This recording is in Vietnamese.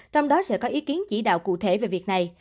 trong đó sẽ có ý kiến chỉ đạo cụ thể về việc này